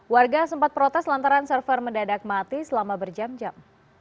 warga sempat protes lantaran server mendadak mati selama berjam jam